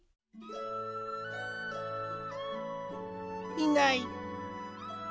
いない。